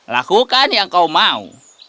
lakukan yang kau mau